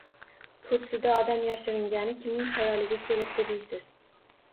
Kursida odam yashiringani kimning xayoliga kelibdi deysiz